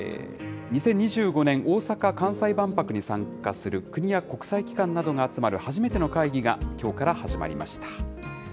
２０２５年、大阪・関西万博に参加する国や国際機関などが集まる初めての会議がきょうから始まりました。